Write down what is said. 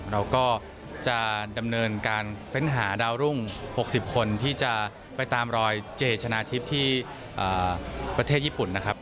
เราก็จะดำเนินการเฟ้นหาดาวรุ่ง๖๐คนที่จะไปตามรอยเจชนะทิพย์ที่ประเทศญี่ปุ่นนะครับ